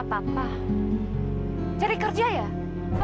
cari kerja ya bapak cari kerja di tempat lain aja susah amat sih